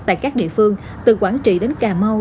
tại các địa phương từ quảng trị đến cà mau